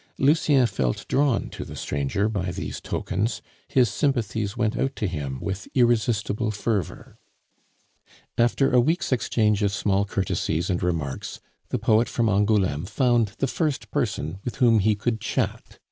Lucien felt drawn to the stranger by these tokens; his sympathies went out to him with irresistible fervor. After a week's exchange of small courtesies and remarks, the poet from Angouleme found the first person with whom he could chat.